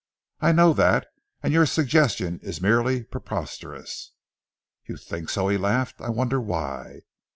I know that, and your suggestion is merely preposterous." "You think so," he laughed. "I wonder why?"